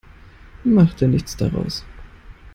Mach dir nichts daraus.